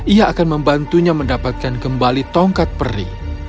ia akan membantunya mendapatkan kembali tongkat peri